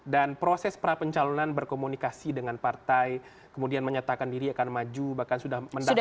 dan proses pra pencalonan berkomunikasi dengan partai kemudian menyatakan diri akan maju bahkan sudah mendaftar